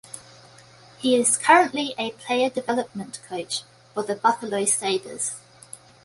He is currently a player development coach for the Buffalo Sabres.